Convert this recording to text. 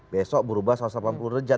besok berubah satu ratus delapan puluh derajat